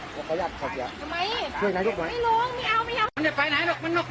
ก็ประสาทที่พี่จะช่วยสุดยอดภัทรแม่ง